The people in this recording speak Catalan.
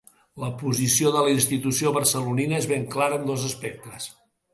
La posició de la institució barcelonina és ben clara en dos aspectes.